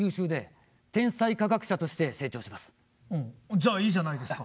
じゃあいいじゃないですか！